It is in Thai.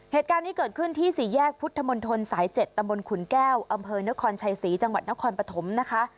เหตุการณ์นี้เกิดขึ้นที่สี่แยกพุทธมนตรสาย๗ตำบลขุนแก้วอำเภอนครชัยศรีจังหวัดนครปฐมนะคะ